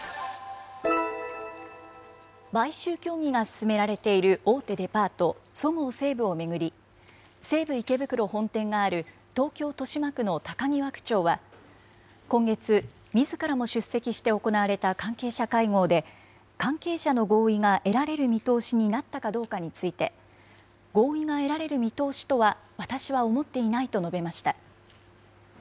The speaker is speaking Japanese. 買収協議が進められている大手デパート、そごう・西武を巡り、西武池袋本店がある東京・豊島区の高際区長は、今月、みずからも出席して行われた関係者会合で、関係者の合意が得られる見通しになったかどうかについて、合意が得られる見通しとは、私は思っていないと述べました。